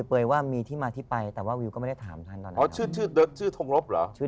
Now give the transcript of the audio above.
เปยว่ามีที่มาที่ไปแต่ว่าวิวก็ไม่ได้ถามชื่อทรงรบหรอชื่อ